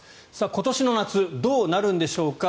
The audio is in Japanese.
今年の夏どうなるんでしょうか。